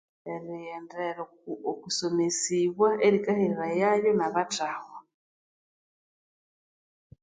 Erighendera okwisomesibwa erikahereribawayo nabathahwa